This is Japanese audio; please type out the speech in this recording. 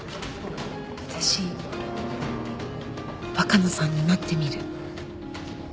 私若菜さんになってみる。